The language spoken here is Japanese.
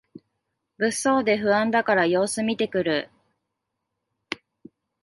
物騒で不安だから様子みてくる